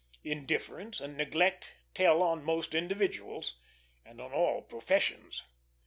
Indifference and neglect tell on most individuals, and on all professions.